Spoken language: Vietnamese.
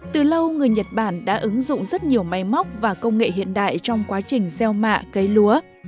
từ lâu người nhật bản đã ứng dụng rất nhiều máy móc và công nghệ hiện đại trong quá trình gieo mạ cấy lúa